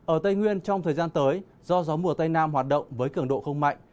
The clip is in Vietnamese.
ở tây nguyên trong thời gian tới do gió mùa tây nam hoạt động với cường độ không mạnh